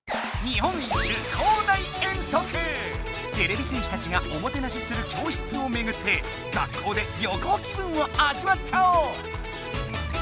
てれび戦士たちがおもてなしする教室をめぐって学校で旅行気分をあじわっちゃおう！